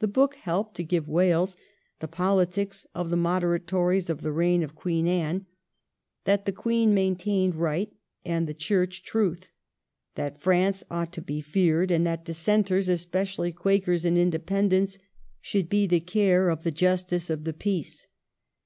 The book helped to give Wales the poli tics of the moderate Tories of the reign of Queen Anne — that the Queen maintained right and the Church truth ; that France ought to be feared, and that Dissenters, especially Quakers and Independents, should be the care of the Justice of the Peace.